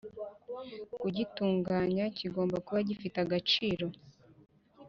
kugitunganya kigomba kuba gifite agaciro.